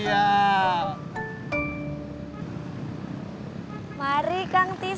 ini apaan sih